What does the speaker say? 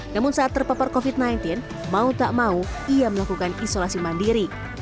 namun saat terpapar covid sembilan belas mau tak mau ia melakukan isolasi mandiri